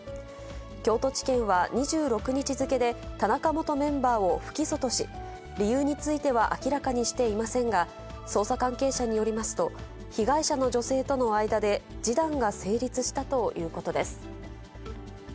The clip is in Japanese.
京都地検は２６日付で、田中元メンバーを不起訴とし、理由については明らかにしていませんが、捜査関係者によりますと、被害者の女性との間で示談が成立したということです。